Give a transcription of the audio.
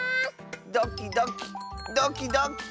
ドキドキドキドキ。